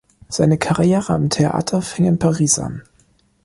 Seine Karriere am Theater fing in Paris an.